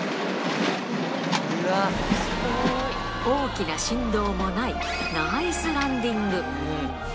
大きな振動もない、ナイスランディング。